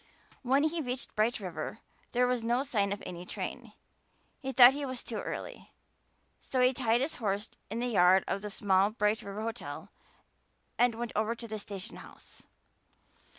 When he reached Bright River there was no sign of any train; he thought he was too early, so he tied his horse in the yard of the small Bright River hotel and went over to the station house.